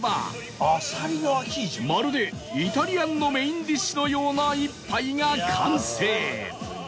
まるでイタリアンのメインディッシュのような一杯が完成